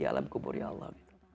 di alam kubur ya allah